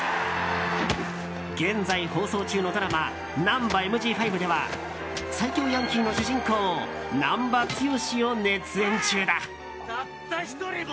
現在、放送中のドラマ「ナンバＭＧ５」では最強ヤンキーの主人公難破剛を熱演中だ。